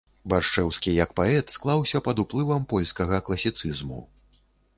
Баршчэўскі як паэт склаўся пад уплывам польскага класіцызму.